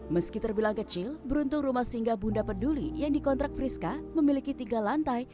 meski terbilang kecil beruntung rumah singgah bunda peduli yang dikontrak friska memiliki tiga lantai